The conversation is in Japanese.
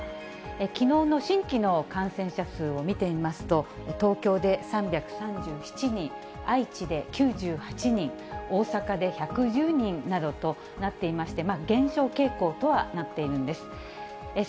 きのうの新規の感染者数を見てみますと、東京で３３７人、愛知で９８人、大阪で１１０人などとなっていまして、減少傾向とはなっているんです。